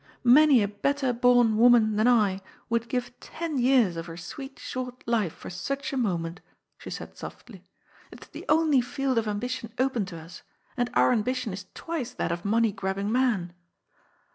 " Many a better bom woman than I would give ten years of her sweet, short life for such a moment," she said softly. *' It is the only field of ambition open to us, and our ambi tion is twice that of money grabbing man.